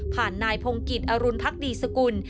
นายพงกิจอรุณพักดีสกุล